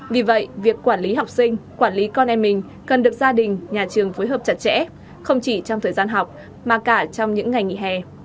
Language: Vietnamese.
vì vậy việc quản lý học sinh quản lý con em mình cần được gia đình nhà trường phối hợp chặt chẽ không chỉ trong thời gian học mà cả trong những ngày nghỉ hè